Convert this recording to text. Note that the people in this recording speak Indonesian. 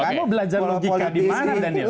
kamu belajar logika dimana daniel